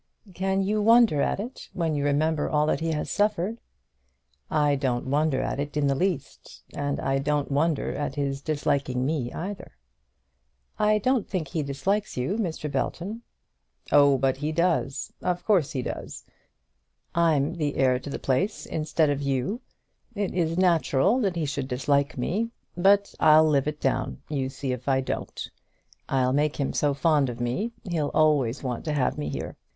"Can you wonder at it, when you remember all that he has suffered?" "I don't wonder at it in the least; and I don't wonder at his disliking me either." "I don't think he dislikes you, Mr. Belton." "Oh, but he does. Of course he does. I'm the heir to the place instead of you. It is natural that he should dislike me. But I'll live it down. You see if I don't. I'll make him so fond of me, he'll always want to have me here.